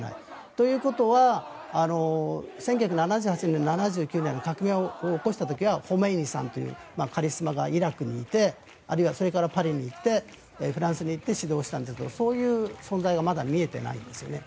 ということは１９７８年、７９年の革命を起こした時はホメイニさんというカリスマがイラクにいてあるいはそれからパリに行ってフランスに行って指導したんですがそういう存在がまだ見えていないんですよね。